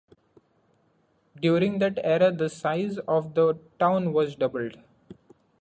During that era the size of the town was doubled.